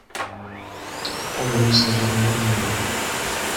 Avenue Saint-Germier à Muret